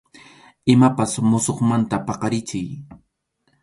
Imapas musuqmanta paqarichiy.